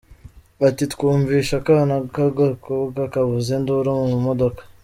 Ati: “Twumvishe akana k’agakobwa kavuza induru mu modoka.